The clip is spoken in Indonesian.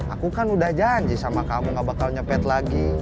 aku kan udah janji sama kamu gak bakal nyepet lagi